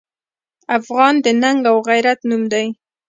افغان د ننګ او غیرت نوم دی.